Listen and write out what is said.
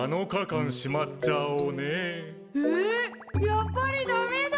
やっぱり駄目だ。